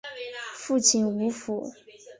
父亲吴甫。